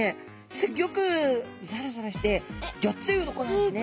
ギョくザラザラしてギョッつい鱗なんですね。